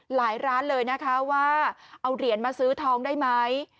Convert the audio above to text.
ร้านเลยนะคะว่าเอาเหรียญมาซื้อทองได้ไหม